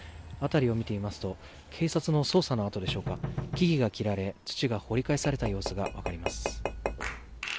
辺りを見てみますと警察の捜査の後でしょうか、木々が切られ、土が掘り返された様子がわかります。